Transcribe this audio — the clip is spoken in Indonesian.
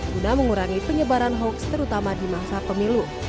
guna mengurangi penyebaran hoax terutama di masa pemilu